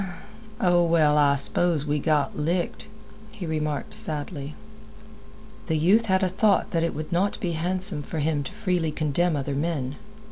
"Oh, well, I s'pose we got licked," he remarked sadly. The youth had a thought that it would not be handsome for him to freely condemn other men.